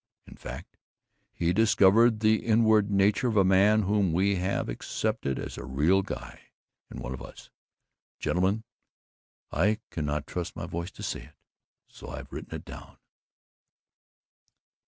In fact, he discovered the inward nature of a man whom we have accepted as a Real Guy and as one of us. Gentlemen, I cannot trust my voice to say it, so I have written it down."